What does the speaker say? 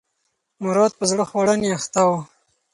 مراد په زړه خوړنې اخته و.